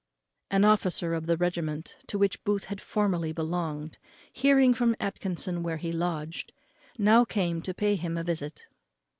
An officer of the regiment to which Booth had formerly belonged, hearing from Atkinson where he lodged, now came to pay him a visit.